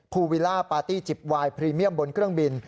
วิลล่าปาร์ตี้จิปไวน์พรีเมียมบนเครื่องบิน